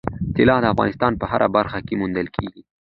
طلا د افغانستان په هره برخه کې موندل کېږي.